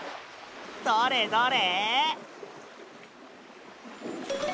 どれどれ？